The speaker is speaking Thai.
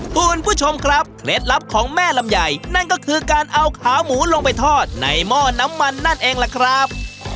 คุณผู้ชมครับเคล็ดลับของแม่ลำไยนั่นก็คือการเอาขาหมูลงไปทอดในหม้อน้ำมันนั่นเองล่ะครับ